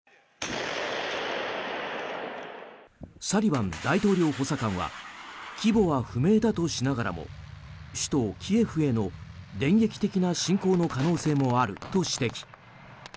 サリバン大統領補佐官は規模は不明だとしながらも首都キエフへの電撃的な侵攻の可能性もあると指摘。